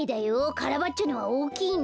カラバッチョのはおおきいね。